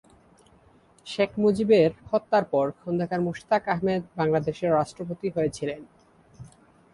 শেখ মুজিবের হত্যার পর খন্দকার মোশতাক আহমেদ বাংলাদেশের রাষ্ট্রপতি হয়েছিলেন।